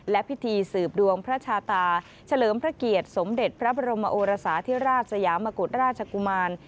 และพิธีสืบดวงพระชาตาเฉลิมพระเกียรติสมเด็จพระบรมโอรสาธิราชสยามกุฎราชกุมาร